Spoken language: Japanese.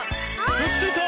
くっついた！